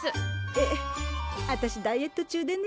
えっあたしダイエット中でね